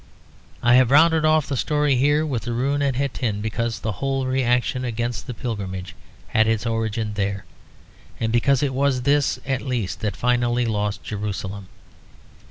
I have rounded off the story here with the ruin at Hattin because the whole reaction against the pilgrimage had its origin there; and because it was this at least that finally lost Jerusalem.